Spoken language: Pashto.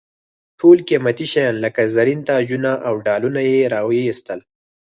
ټول قیمتي شیان لکه زرین تاجونه او ډالونه یې را واېستل.